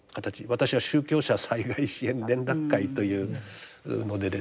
私は宗教者災害支援連絡会というのでですね